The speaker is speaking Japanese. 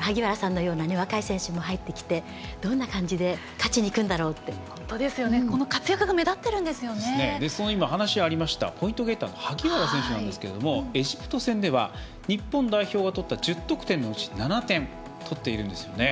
萩原さんのような若い選手も入ってきてどんな感じで勝ちにいくんだろうって話がありましたポイントゲッターの萩原選手なんですけどエジプト戦では日本代表が取った１０得点のうち７点取っているんですよね。